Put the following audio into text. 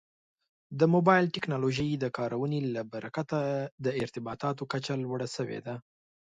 د موبایل ټکنالوژۍ د کارونې له برکته د ارتباطاتو کچه لوړه شوې ده.